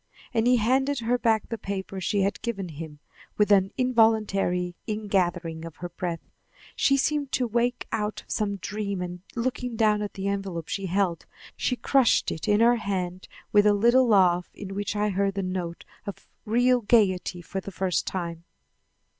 And he handed her back the paper she had given him. With an involuntary ingathering of her breath, she seemed to wake out of some dream and, looking down at the envelope she held, she crushed it in her hand with a little laugh in which I heard the note of real gaiety for the first time.